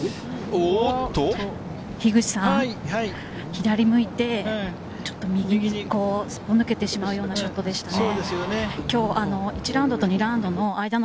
左向いて、ちょっと右にすっぽ抜けてしまうようなショットでしたね。